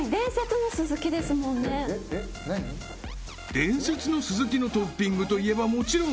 ［伝説の鈴木のトッピングといえばもちろん］